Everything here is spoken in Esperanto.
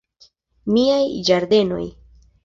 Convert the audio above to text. Miaj ĝardenoj!